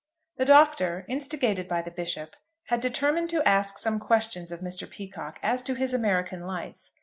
THE Doctor, instigated by the Bishop, had determined to ask some questions of Mr. Peacocke as to his American life.